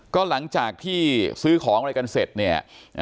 ก็หลังจากที่ซื้อของอะไรกันเสร็จเนี่ย